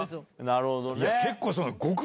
なるほどね。